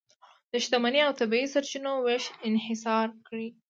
د شتمنۍ او طبیعي سرچینو وېش انحصار کړي.